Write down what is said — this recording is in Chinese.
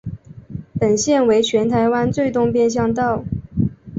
本线为全台湾最东边乡道。